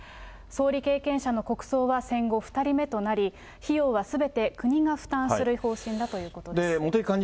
総理経験者の国葬は戦後２人目となり、費用はすべて国が負担する方針だということです。